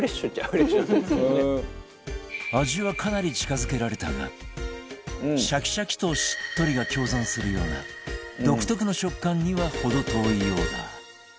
味はかなり近付けられたがシャキシャキとしっとりが共存するような独特の食感には程遠いようだ